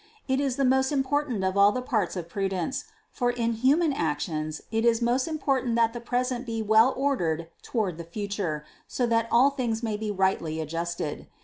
It is the most important of all the parts of prudence, for in human actions it is most important that the present be well ordered toward the future, so that all things may be rightly adjusted.